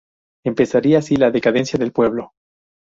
Empezaría así la decadencia del pueblo.